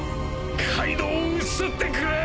カイドウを討ち取ってくれ！